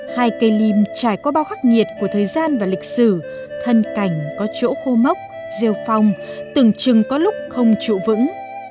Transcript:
hai cây lim trải có bao khắc nhiệt của thời gian và lịch sử thân cảnh có chỗ khô mốc rêu phong từng trừng có lúc không trụ vững